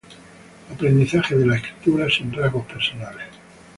Aprendizaje de la escritura sin rasgos personales.